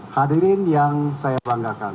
hadirin yang saya banggakan